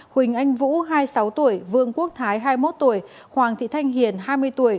huỳnh anh vũ hai mươi sáu tuổi vương quốc thái hai mươi một tuổi hoàng thị thanh hiền hai mươi tuổi